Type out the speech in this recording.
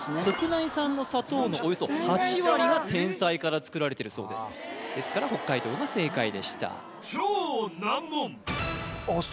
国内産の砂糖のおよそ８割がてんさいから作られてるそうですですから北海道が正解でしたああ